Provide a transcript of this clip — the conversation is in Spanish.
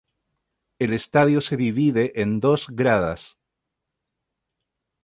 El estadio se divide en dos gradas.